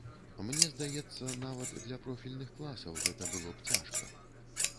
Мне здаецца, нават для профільных класаў гэта было б цяжка.